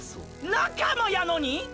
仲間やのに⁉